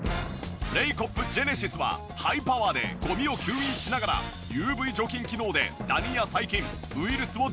レイコップジェネシスはハイパワーでゴミを吸引しながらＵＶ除菌機能でダニや細菌ウイルスを同時に除去。